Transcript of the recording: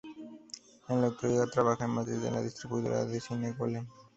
En la actualidad trabaja en Madrid en la distribuidora de cine Golem.